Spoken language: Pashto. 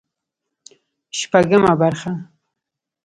شپږمه برخه